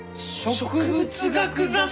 植物学雑誌？